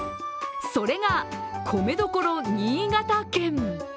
それが米どころ・新潟県。